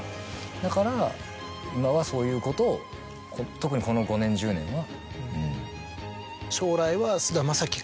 だから今はそういうことを特にこの５年１０年は。